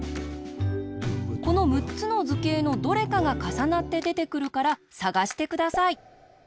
このむっつのずけいのどれかがかさなってでてくるからさがしてください。